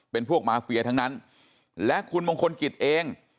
เป็นพวกมาเฟียทั้งนั้นและคุณมงคลกิจเอง